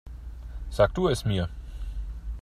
Sag du es mir.